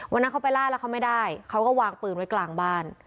วันนั้นเขาไปล่าแล้วเขาไม่ได้เขาก็วางปืนไว้กลางบ้าน